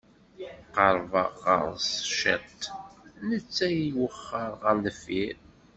Qerrbeɣ ɣer-s ciṭ, netta iwexxer ɣer deffir.